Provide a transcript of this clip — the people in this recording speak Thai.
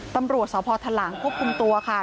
ตำรวจสพทหลางควบคุมตัวค่ะ